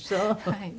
はい。